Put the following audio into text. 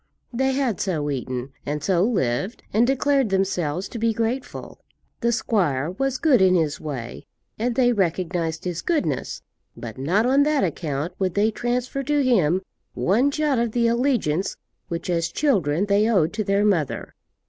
They had so eaten, and so lived, and declared themselves to be grateful. The squire was good in his way, and they recognized his goodness; but not on that account would they transfer to him one jot of the allegiance which as children they owed to their mother.